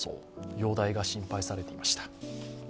容体が心配されていました。